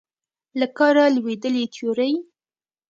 له کاره لوېدلې تیورۍ